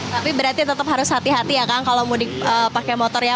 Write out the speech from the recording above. tapi berarti tetap harus hati hati ya kang kalau mudik pakai motor ya